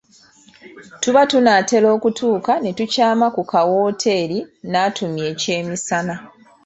Tuba tunaatera okutuuka ne tukyama ku ka wooteeri n'atumya ekyemisana.